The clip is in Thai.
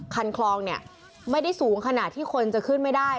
คันคลองเนี่ยไม่ได้สูงขนาดที่คนจะขึ้นไม่ได้